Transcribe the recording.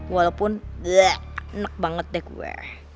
walaupun enak banget deh gue